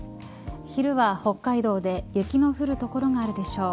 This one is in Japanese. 昼は北海道で雪の降る所があるでしょう。